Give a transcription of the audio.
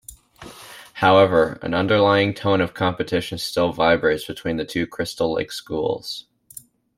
However, an underlying tone of competition still vibrates between the two Crystal Lake schools.